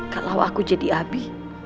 kalau aku jadi abi